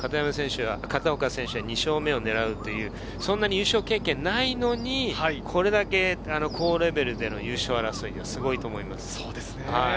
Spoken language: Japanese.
片岡選手は２勝目を狙うという、そんなに優勝経験がないのに、これだけ高レベルでの優勝争いって、すごいと思います。